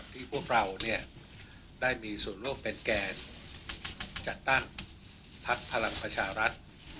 ที่พวกเรายังได้มีส่วนโลกเป็นแกนจัดตั้งภาคพลังประชารัฐ